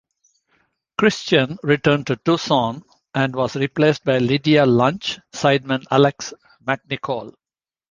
Christian returned to Tucson and was replaced by Lydia Lunch sideman Alex MacNicol.